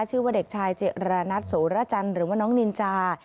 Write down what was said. ชื่อว่าเด็กชายจิระนัทโสระจันทร์หรือว่าน้องนินจา